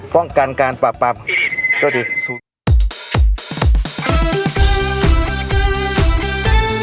ป้องกันการปรับปรับโทษดี